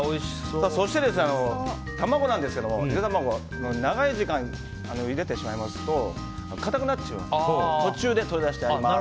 そして、卵ですが、ゆで卵は長い時間入れてしまいますと硬くなってしまいますので途中で取り出してあります。